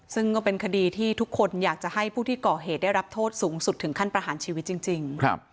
ซึ่งก็เป็นคดีที่ทุกคนอยากจะให้ผู้ที่ก่อเหตุได้รับโทษสูงสุดถึงขั้นประหารชีวิตจริง